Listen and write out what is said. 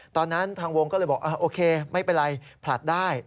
ทางวงก็เลยบอกโอเคไม่เป็นไรผลัดได้